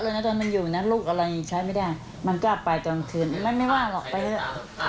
เอาไปเถอะใครอยากได้อะไรก็ไปเถอะ